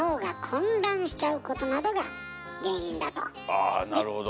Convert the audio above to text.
あなるほど。